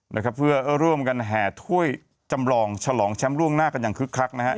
นะครับเพื่อร่วมกันแห่ถ้วยจำลองฉลองแชมป์ล่วงหน้ากันอย่างคึกคักนะฮะ